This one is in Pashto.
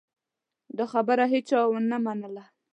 دا خبره هېچا ونه منله.